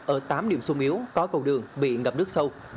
ở tám điểm sung yếu có cầu đường bị ngập nước sâu